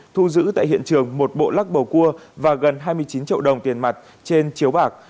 thu giữ tại hiện trường một bộ lắc bầu cua và gần hai mươi chín triệu đồng tiền mặt trên chiếu bạc